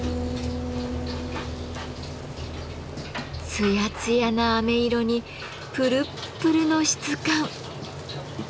ツヤツヤなあめ色にプルップルの質感。